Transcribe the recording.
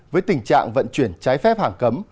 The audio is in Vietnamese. với tình trạng vận chuyển trái phép hàng cấm